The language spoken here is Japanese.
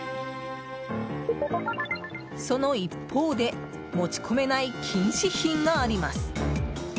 その一方で持ち込めない禁止品があります。